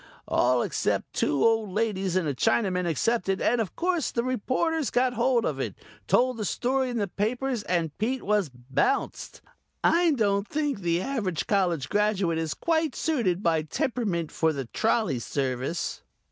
All except two old ladies and a Chinaman accepted and of course the reporters got hold of it, told the story in the papers and Pete was bounced. I don't think the average college graduate is quite suited by temperament for the trolley service."